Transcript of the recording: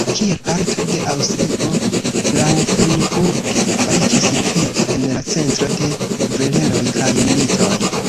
Kiel parto de Aŭstrio Laufenburg fariĝis ripete en la centro de kvereloj kaj militoj.